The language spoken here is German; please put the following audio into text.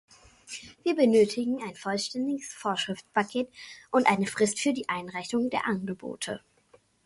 Wir benötigen ein vollständiges Vorschriftenpaket und eine Frist für die Einreichung der Angebote.